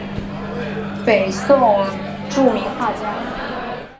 北宋著名画家。